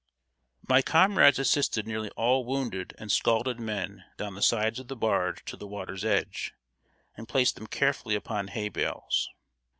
] My comrades assisted nearly all wounded and scalded men down the sides of the barge to the water's edge, and placed them carefully upon hay bales.